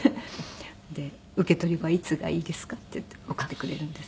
で「受け取りはいつがいいですか？」っていって送ってくれるんです。